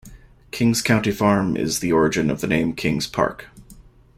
Kings County Farm is the origin of the name Kings Park.